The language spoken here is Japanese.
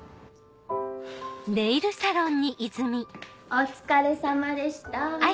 お疲れさまでした。